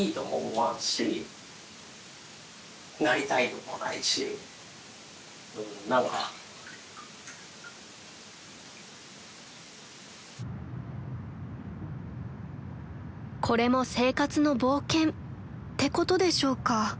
［これも生活の冒険ってことでしょうか］